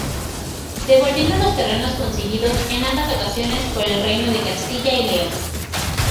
Devolviendo los terrenos conseguidos en ambas ocasiones por el reino de Castilla y León.